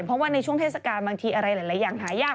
เพราะว่าในช่วงเทศกาลบางทีอะไรหลายอย่างหายาก